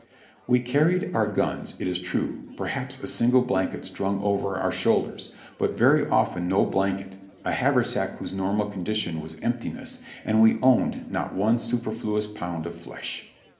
We carried our guns, it is true, perhaps a single blanket swung over our shoulders, but very often no blanket, a haversack whose normal condition was emptiness, and we owned not one super fluous pound of flesh.